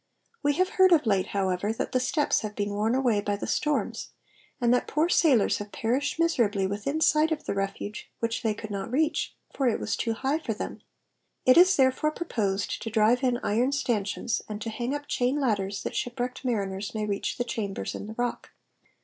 We have heaid of late, however, that the steps have been worn away by the storms, and that poor sailors have perished miserably within sight of the refuge which they could not reach, for it was too high for them : it is therefore proposed to drive in iron stanchions, and to hang up chain ladders that shipwrecked mariners may reach the chambers in the rock.